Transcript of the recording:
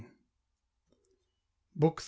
BOOK 3.